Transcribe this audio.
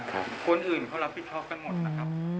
คนอื่นเขารับผิดชอบกันหมดนะครับ